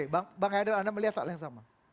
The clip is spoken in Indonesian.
pak bang haider anda melihat tak yang sama